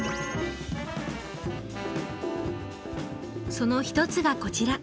その一つがこちら。